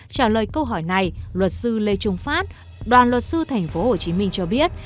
trả lời câu hỏi này luật sư lê trung phát đoàn luật sư tp hcm cho biết